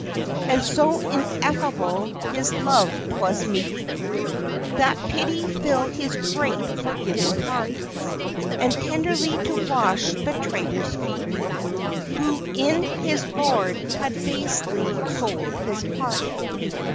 And so ineffable his love 'twas meet, That pity fill his great forgiving heart, And tenderly to wash the traitor's feet, Who in his Lord had basely sold his part.